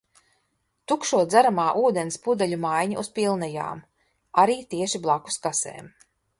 Tukšo dzeramā ūdens pudeļu maiņa uz pilnajām - arī tieši blakus kasēm.